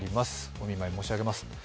お見舞い申し上げます。